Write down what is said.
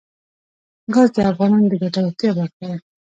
ګاز د افغانانو د ګټورتیا برخه ده.